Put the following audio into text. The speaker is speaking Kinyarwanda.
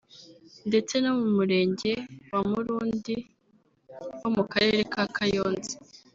ndetse no mu murenge wa Murundi wo mu Karere ka Kayonza